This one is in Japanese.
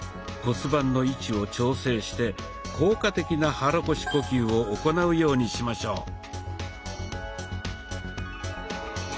骨盤の位置を調整して効果的な肚腰呼吸を行うようにしましょう。